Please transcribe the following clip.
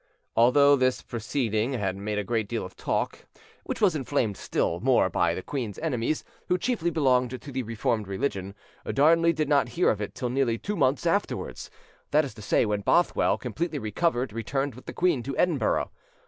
Although this proceeding had made a great deal of talk, which was inflamed still more by the queen's enemies, who chiefly belonged to the Reformed religion, Darnley did not hear of it till nearly two months afterwards—that is to say, when Bothwell, completely recovered, returned with the queen to Edinburgh.